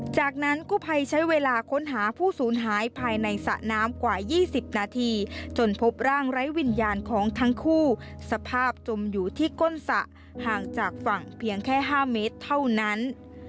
จากนั้นกู้ภัยใช้เวลาค้นหาผู้สูญหายภายในสระน้ำกว่า๒๐นาทีจนพบร่างไร้วิญญาณของทั้งคู่สภาพจมอยู่ที่ก้นสระห่างจากฝั่งเพียงแค่๕เมตรเท่านั้น